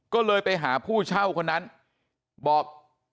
ก็เลยไปหาผู้เช่าคนนั้นบอก